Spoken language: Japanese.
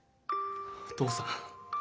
お父さん。